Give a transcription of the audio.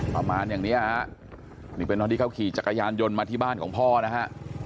ประมาณอย่างเนี้ยฮะนี่เป็นตอนที่เขาขี่จักรยานยนต์มาที่บ้านของพ่อนะฮะ